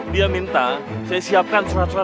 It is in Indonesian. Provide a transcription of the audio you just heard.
dia minta saya siapkan surat surat